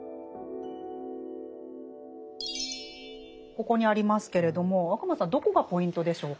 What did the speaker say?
ここにありますけれども若松さんどこがポイントでしょうか？